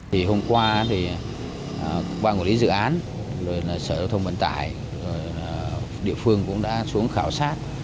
thì hôm qua thì quang quản lý dự án sở thông vận tải địa phương cũng đã xuống khảo sát